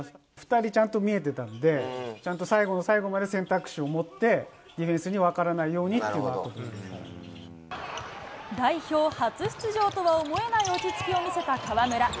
２人、ちゃんと見えてたんで、ちゃんと最後の最後まで選択肢を持ってディフェンスに分からない代表初出場とは思えない落ち着きを見せた河村。